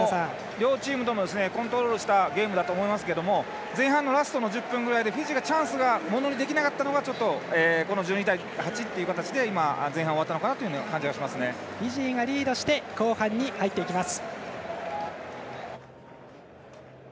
両チームともコントロールしたゲームだと思いますけども前半のラストの１０分くらいでフィジーがチャンスをものにできなかったのが１２対８という形で今、前半終わったのかなというフィジーがリードして後半に入っていきます。